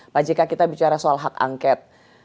pak jk kita bicara soal hak angket